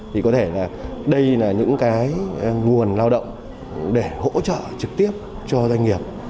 thì có thể là đây là những cái nguồn lao động để hỗ trợ trực tiếp cho doanh nghiệp